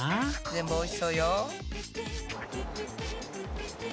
全部おいしそうよ。